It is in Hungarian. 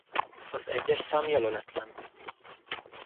Az egyes szám jelöletlen.